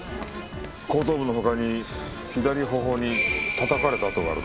後頭部の他に左頬にたたかれた痕があるな。